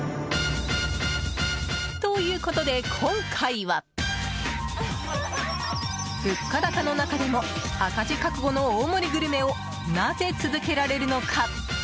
ということで、今回は物価高の中でも赤字覚悟の大盛りグルメをなぜ続けられるのか？